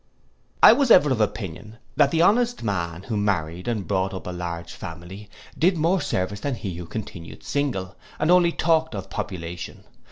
I was ever of opinion, that the honest man who married and brought up a large family, did more service than he who continued single, and only talked of population.